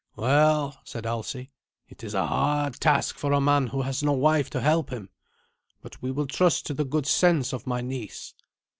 "Well," said Alsi, "it is a hard task for a man who has no wife to help him; but we will trust to the good sense of my niece.